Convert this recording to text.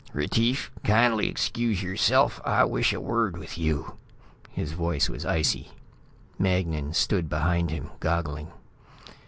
"Retief, kindly excuse yourself, I wish a word with you." His voice was icy. Magnan stood behind him, goggling.